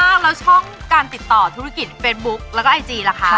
มากแล้วช่องการติดต่อธุรกิจเฟซบุ๊กแล้วก็ไอจีล่ะคะ